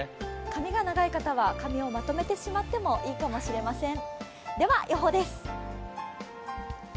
髪が長い方は、髪をまとめてしまってもいいかもしれません。